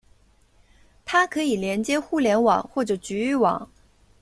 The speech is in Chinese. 它可以连接互联网或者局域网。